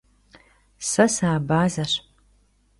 Se sıabazeş.